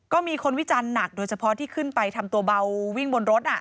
ก็มีคนวิจารณ์หนักโดยเฉพาะที่ขึ้นไปทำตัวเบาวิ่งบนรถ